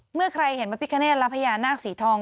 เมื่อใครเห็นพระพิคเนธและพญานาคสีทอง